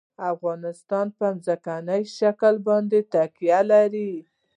افغانستان په ځمکنی شکل باندې تکیه لري.